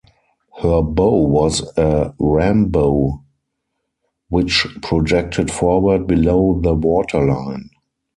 Her bow was a "ram bow" which projected forward below the waterline.